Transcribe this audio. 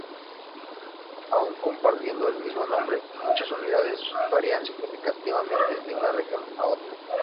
Aun compartiendo el mismo nombre, muchas unidades varían significativamente de una región a otra.